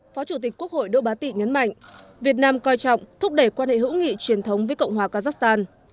phó chủ tịch quốc hội đỗ bá tị nhấn mạnh việt nam coi trọng thúc đẩy quan hệ hữu nghị truyền thống với cộng hòa kazakhstan